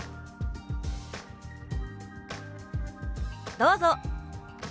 どうぞ！